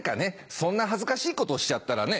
そんな恥ずかしいことをしちゃったらね